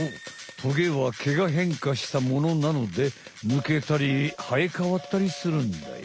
トゲは毛が変化したものなのでぬけたりはえかわったりするんだよ。